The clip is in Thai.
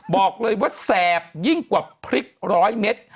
บอกเลยว่าแสบยิ่งกว่าพริกร้อยเม็ด